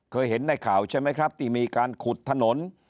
เคยเห็นในข่าวใช่ไหมครับที่มีการขุดถนน